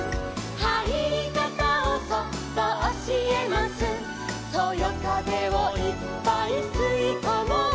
「はいりかたをそっとおしえます」「そよかぜをいっぱいすいこもう」